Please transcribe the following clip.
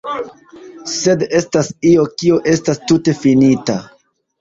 Sed (sklaveco) estas io kio estas tute finita.